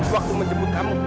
waktu menjemput kamu